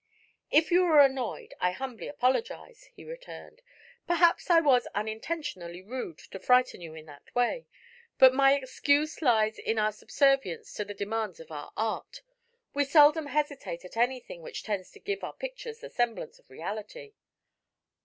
"If you were annoyed, I humbly apologize," he returned. "Perhaps I was unintentionally rude to frighten you in that way, but my excuse lies in our subservience to the demands of our art. We seldom hesitate at anything which tends to give our pictures the semblance of reality."